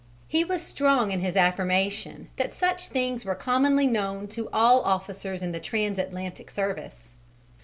He was strong in his affirmation that such things were commonly known to all officers in the trans Atlantic service.